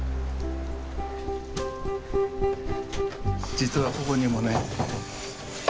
実はここにもね。